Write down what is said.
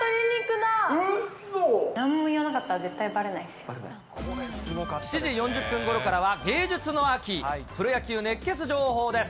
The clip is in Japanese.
なんも言わなかったら絶対ば７時４０分ごろからは芸術の秋、プロ野球熱ケツ情報です。